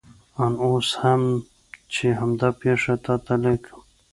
آن اوس هم چې همدا پېښه تا ته لیکم.